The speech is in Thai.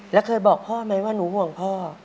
แล้วเคยบอกพ่อไหมว่าหนูห่วงพ่อ